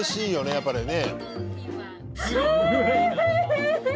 やっぱりね。